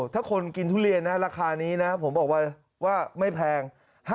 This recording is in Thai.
ถ้าคนกินทุเรียนนะราคานี้นะผมบอกว่าไม่แพง